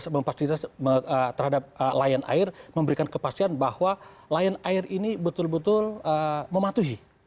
memfasilitasi terhadap lion air memberikan kepastian bahwa lion air ini betul betul mematuhi